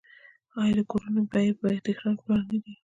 آیا د کورونو بیې په تهران کې لوړې نه دي؟